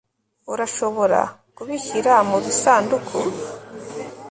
Urashobora kubishyira mubisanduku